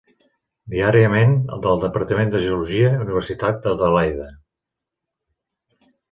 Diàriament, del departament de geologia, Universitat d'Adelaida.